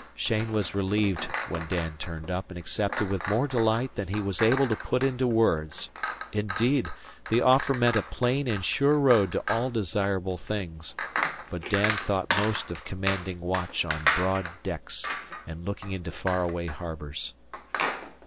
Cheyne was relieved when Dan turned up and accepted with more delight than he was able to put into words. Indeed, the offer meant a plain and sure road to all desirable things; but Dan thought most of commanding watch on broad decks, and looking into far away harbours.